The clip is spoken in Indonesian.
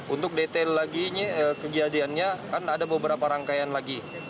untuk detail lagi kejadiannya kan ada beberapa rangkaian lagi